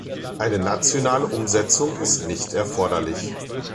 Eine nationale Umsetzung ist nicht erforderlich.